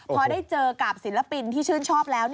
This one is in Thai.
พอได้เจอกับศิลปินที่ชื่นชอบแล้ว